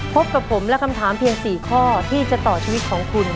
พบกับผมและคำถามเพียง๔ข้อที่จะต่อชีวิตของคุณ